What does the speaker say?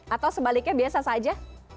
atau sebaliknya biasa saja